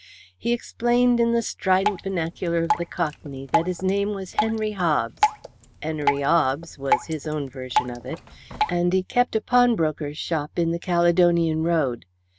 He explained in the strident vernacular of the Cockney that his name was Henry Hobbs "Enery Obbs" was his own version of it and he kept a pawnbroker's shop in the Caledonian Road.